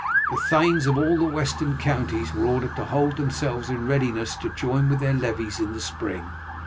The thanes of all the western counties were ordered to hold themselves in readiness to join with their levies in the spring.